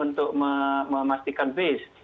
untuk memastikan base